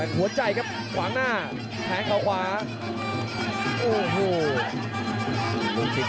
กระโดยสิ้งเล็กนี่ออกกันขาสันเหมือนกันครับ